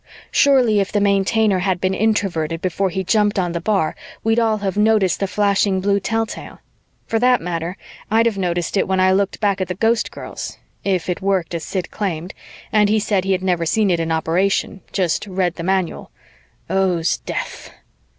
Surely, if the Maintainer had been Introverted before he jumped on the bar, we'd all have noticed the flashing blue telltale. For that matter, I'd have noticed it when I looked back at the Ghostgirls if it worked as Sid claimed, and he said he had never seen it in operation, just read in the manual oh, 'sdeath!